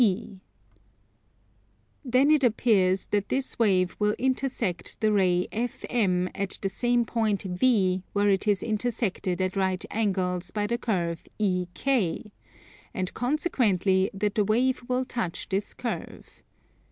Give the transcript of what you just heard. Then it appears that this wave will intersect the ray FM at the same point V where it is intersected at right angles by the curve EK, and consequently that the wave will touch this curve.